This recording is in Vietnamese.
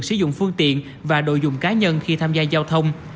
sử dụng phương tiện và đội dụng cá nhân khi tham gia giao thông